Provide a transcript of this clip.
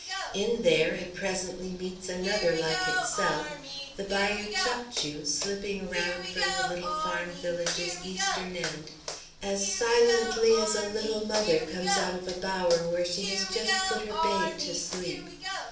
In there it presently meets another like itself, the Bayou Tchackchou, slipping around from the little farm village's eastern end as silently as a little mother comes out of a bower where she has just put her babe to sleep.